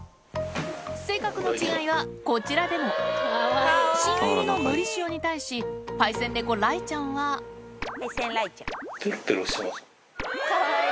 性格の違いはこちらでも新入りののりしおに対しパイセン猫雷ちゃんはペロペロしてます。